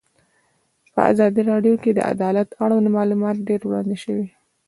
په ازادي راډیو کې د عدالت اړوند معلومات ډېر وړاندې شوي.